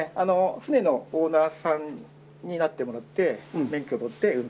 船のオーナーさんになってもらって免許取って運転して頂く。